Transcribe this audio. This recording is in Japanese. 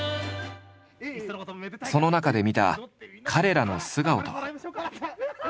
その中で見た彼らの素顔とは。